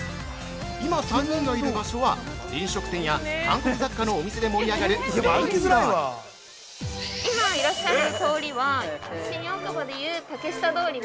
今、３人がいる場所は飲食店や韓国雑貨のお店で盛り上がるメイン通り。